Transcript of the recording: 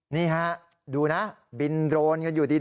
นี่ฮะดูนะบินโรนกันอยู่ดี